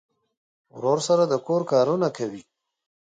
ورور سره د کور کارونه کوي.